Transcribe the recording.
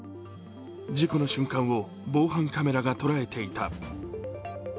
事故の瞬間を防犯カメラが捉えていた。